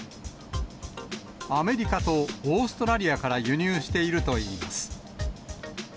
アメリカとオーストラリアから輸入しているといいます。